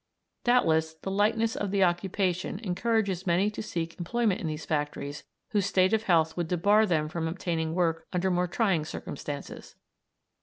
Doubtless the lightness of the occupation encourages many to seek employment in these factories whose state of health would debar them from obtaining work under more trying circumstances.